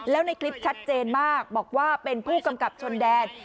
แล้วในคลิปชัดเจนมากบอกว่าเป็นผู้กำกับชนแดน